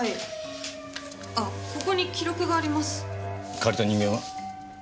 借りた人間は？